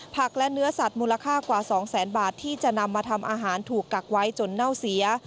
และเนื้อสัตว์มูลค่ากว่า๒แสนบาทที่จะนำมาทำอาหารถูกกักไว้จนเน่าเสีย